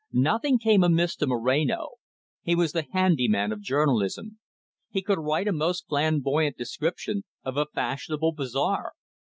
Nothing came amiss to Moreno; he was the handy man of journalism. He could write a most flamboyant description of a fashionable bazaar.